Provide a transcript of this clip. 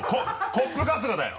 コップ・春日だよ。